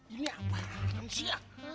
ini apaanan sih ya